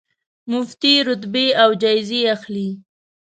مفتې رتبې او جایزې اخلي.